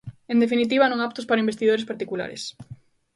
En definitiva, non aptos para investidores particulares.